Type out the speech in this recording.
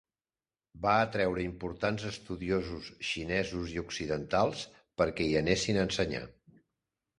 Va atreure importants estudiosos xinesos i occidentals perquè hi anessin a ensenyar.